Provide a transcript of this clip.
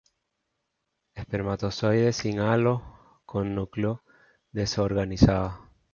Espermatozoides sin halo, con núcleo desorganizado.